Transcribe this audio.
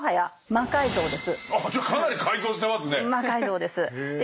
魔改造です。